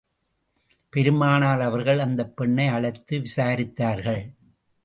பெருமானார் அவர்கள், அந்தப் பெண்ணை அழைத்து விசாரித்தார்கள்.